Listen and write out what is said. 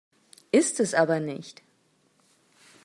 Ist es aber nicht.